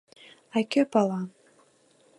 — А кӧ пала...